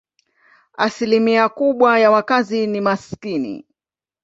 Asilimia kubwa ya wakazi ni maskini.